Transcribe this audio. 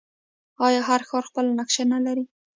آیا هر ښار خپله نقشه نلري؟